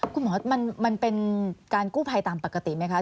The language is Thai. คุณหมอมันเป็นการกู้ไพรตามปกติไหมคะ